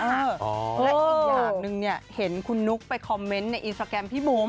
และอีกอย่างหนึ่งเนี่ยเห็นคุณนุ๊กไปคอมเมนต์ในอินสตราแกรมพี่บุ๋ม